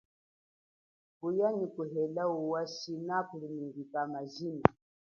Kuya nyi kuhela uwa, shina kulinyika majina.